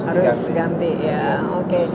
harus diganti ya oke